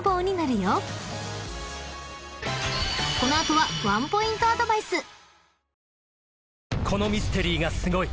［この後はワンポイントアドバイス］